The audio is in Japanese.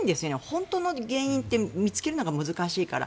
本当の原因って見つけるのが難しいから。